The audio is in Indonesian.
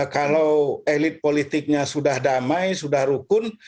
kalau elit politiknya sudah damai sudah rukun